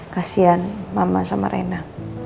kasian mama sama rena